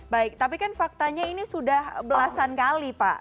baik tapi kan faktanya ini sudah belasan kali pak